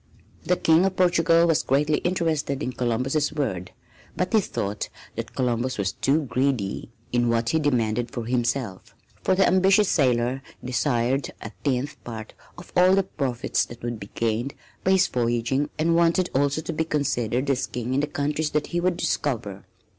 The King of Portugal was greatly interested in Columbus' words, but he thought that Columbus was too greedy in what he demanded for himself, for the ambitious sailor desired a tenth part of all the profits that would be gained by his voyaging and wanted also to be considered as King in the countries that he would discover.